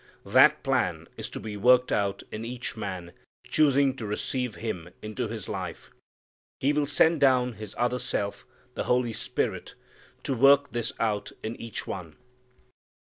That plan is to be worked out in each man choosing to receive Him into his life. He will send down His other self, the Holy Spirit, to work this out in each one.